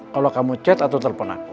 kalo kamu chat atau telpon aku